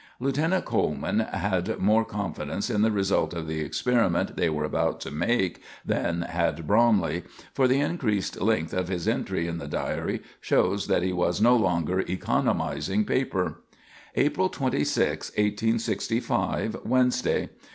Lieutenant Coleman had more confidence in the result of the experiment they were about to make than had Bromley, for the increased length of his entry in the diary shows that he was no longer economizing paper: "April 26, 1865. Wednesday.